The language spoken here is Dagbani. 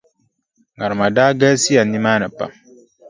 Ŋarima daa galisiya nimaani pam.